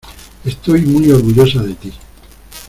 estoy muy orgullosa de ti.